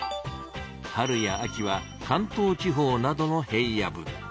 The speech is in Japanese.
春や秋は関東地方などの平野部。